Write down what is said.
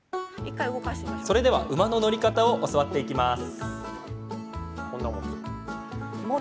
それでは馬の乗り方を教わっていきます。